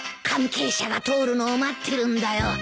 関係者が通るのを待ってるんだよ。